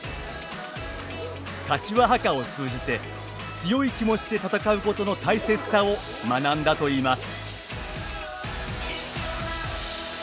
柏ハカを通じて強い気持ちで戦うことの大切さを学んだと言います。